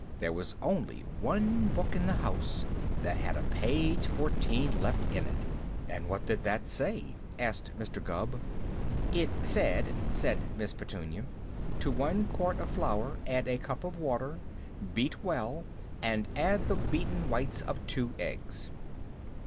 There was only one book in the house that had a page fourteen left in it." "And what did that say?" asked Mr. Gubb. "It said," said Miss Petunia, "'To one quart of flour add a cup of water, beat well, and add the beaten whites of two eggs.'"